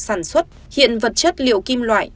sản xuất hiện vật chất liệu kim loại